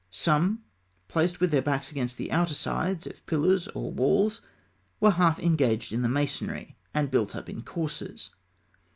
Some, placed with their backs against the outer sides of pillars or walls, were half engaged in the masonry, and built up in courses.